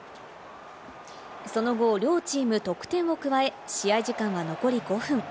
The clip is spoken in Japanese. その後、両チーム得点を加え、試合時間が残り５分．